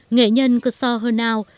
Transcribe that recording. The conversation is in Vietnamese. nghệ nhân cô so hơn ao